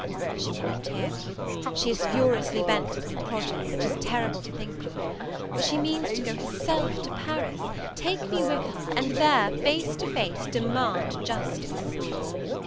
She will not hear me: she is furiously bent upon a project which is terrible to think of; for she means to go herself to Paris, take me with her, and there, face to face, demand justice!